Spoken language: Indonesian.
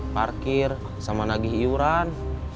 parkir sama nagih iuran